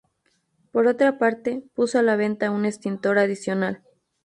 Por otra parte, puso a la venta un extintor adicional.